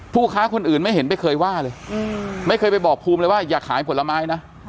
ผู้ค้าคนอื่นไม่เห็นไม่เคยว่าเลยไม่เคยไปบอกภูมิเลยว่าอย่าขายผลไม้นะ